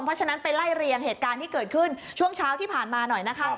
เพราะฉะนั้นไปไล่เรียงเหตุการณ์ที่เกิดขึ้นช่วงเช้าที่ผ่านมาหน่อยนะคะ